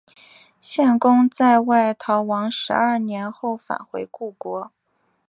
献公在外逃亡十二年后返回故国。